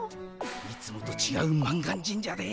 いつもとちがう満願神社で。